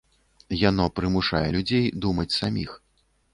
Яно прымушае людзей думаць саміх.